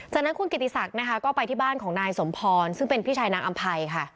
จากนั้นคุณกิติศักดิ์นะคะก็ไปที่บ้านของนายสมพรซึ่งเป็นพี่ชายนางอำภัยค่ะ